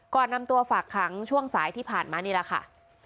ก่อนนำตัวฝากขังช่วงสายที่ผ่านมานี่แหละค่ะ